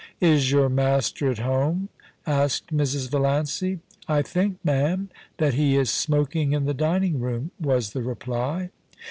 * Is your master at home ?* asked Mrs. Valiancy. * I think, ma'am, that he is smoking in the dining room,' was the reply.